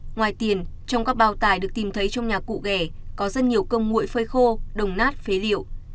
ngoài tiền trong các bao tải được tìm thấy trong nhà cụ ghẻ có rất nhiều công nguội phơi khô đồng nát phế liệu